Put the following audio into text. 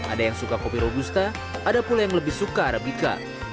ada yang suka kopi robusta ada pula yang lebih suka arabica